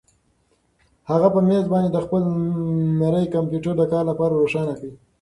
هغه په مېز باندې خپل نری کمپیوټر د کار لپاره روښانه کړ.